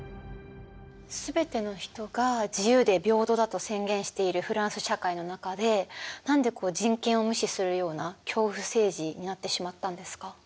全ての人が自由で平等だと宣言しているフランス社会の中で何で人権を無視するような恐怖政治になってしまったんですか？